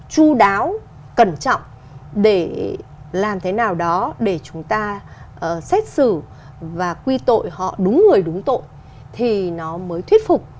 chú đáo cẩn trọng để làm thế nào đó để chúng ta xét xử và quy tội họ đúng người đúng tội thì nó mới thuyết phục